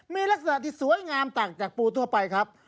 มีลักษณะที่สวยงามต่างจากปูทั่วไปครับ